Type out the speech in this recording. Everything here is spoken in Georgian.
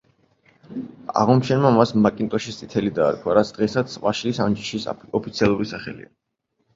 აღმომჩენმა მას მაკინტოშის წითელი დაარქვა, რაც დღესაც ვაშლის ამ ჯიშის ოფიციალური სახელია.